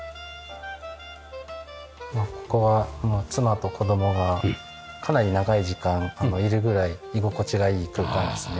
ここは妻と子供がかなり長い時間いるぐらい居心地がいい空間ですね。